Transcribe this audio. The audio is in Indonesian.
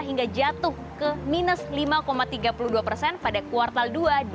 hingga jatuh ke minus lima tiga puluh dua persen pada kuartal dua dua ribu dua puluh